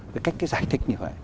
cái cách giải thích như vậy